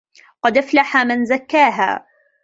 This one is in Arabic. قَد أَفلَحَ مَن زَكّاها